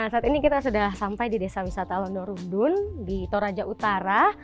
saat ini kita sudah sampai di desa wisata londorundun di toraja utara